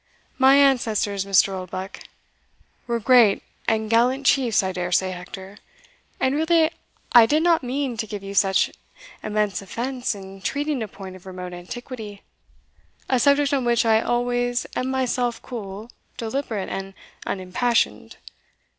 My ancestors, Mr. Oldbuck" "Were great and gallant chiefs, I dare say, Hector; and really I did not mean to give you such immense offence in treating a point of remote antiquity, a subject on which I always am myself cool, deliberate, and unimpassioned.